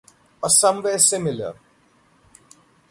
Or somewhere similar.